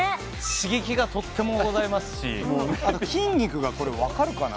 刺激がとってもございますし筋肉がこれ分かるかな？